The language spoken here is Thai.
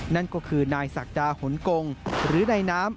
นั่นก็คือนายศักดาหนกงหรือนายน้ำ